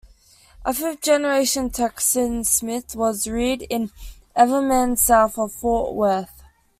A fifth-generation Texan, Smith was reared in Everman south of Fort Worth.